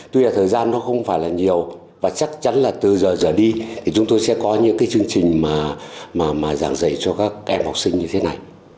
tuy là thời gian nó không phải là nhiều và chắc chắn là từ giờ giờ đi thì chúng tôi sẽ có những cái chương trình mà giảng dạy cho các em học sinh như thế này